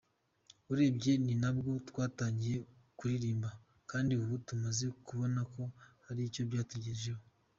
Urebye ni nabwo twatangiye kuririmba, kandi ubu tumaze kubona ko hari icyo byatugezaho.